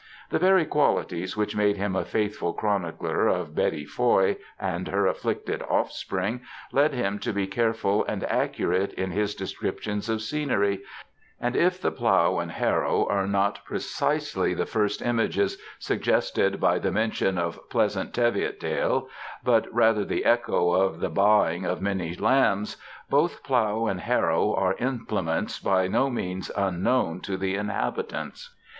The very qualities which made him a faithful chronicler of Betty Foy and her afflicted offspring led him to be careful and accurate in his descriptions of scenery, and if the plough and harrow ^ are not precisely the first images suggested by the mention of ' pleasant Teviotdale,^ but rather the echo of the baaing of many lambs, both plough and harrow are implements by no means unknown to the inhabitants.